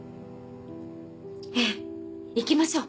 えぇ行きましょう。